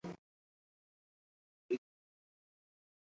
La prolongación del asedio hizo que Kublai Khan perdiera la paciencia.